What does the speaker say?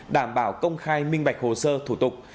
đảm bảo công khai minh bạch hồ sơ thủ tục